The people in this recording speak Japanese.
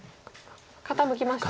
傾きましたか？